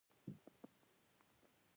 کېله د سترګو تور حلقې له منځه وړي.